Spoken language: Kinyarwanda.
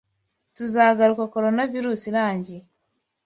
Tuzagaruka Coronavirus irangiye.